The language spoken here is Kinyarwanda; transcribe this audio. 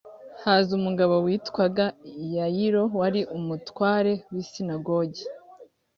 haza umugabo witwaga yayiro wari umutware w isinagogi